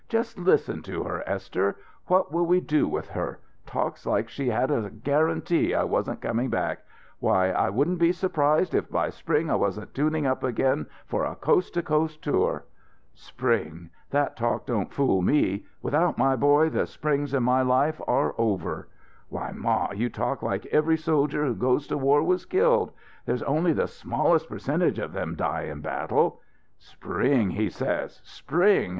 Just listen to her, Esther! What will we do with her? Talks like she had a guarantee I wasn't coming back. Why I wouldn't be surprised if by spring I wasn't tuning up again for a coast to coast tour " "'Spring' that talk don't fool me without my boy, the springs in my life are over " "Why, ma, you talk like every soldier who goes to war was killed. There's only the smallest percentage of them die in battle " "'Spring,' he says; 'spring!'